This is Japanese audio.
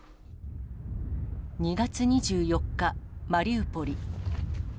２月２４日、マリウポリ。